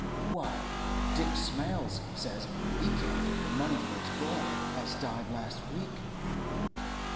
'Why, Dick Smales says he can't get the money for his boy, as died last week.